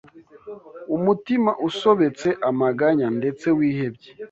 umutima usobetse amaganya ndetse wihebye